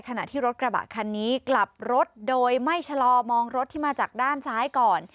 ขณะที่รถกระบะคันนี้กลับรถโดยไม่ชะลอมองรถที่มาจากด้านซ้ายก่อน